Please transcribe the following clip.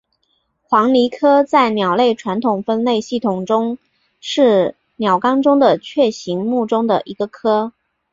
黄鹂科在鸟类传统分类系统中是鸟纲中的雀形目中的一个科。